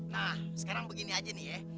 nah sekarang begini aja nih ya